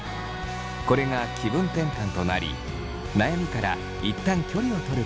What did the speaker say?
これが気分転換となり悩みから一旦距離をとることにつながりました。